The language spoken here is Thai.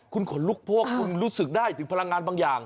คุณขนลุกเพราะว่าคุณรู้สึกได้ถึงพลังงานบางอย่าง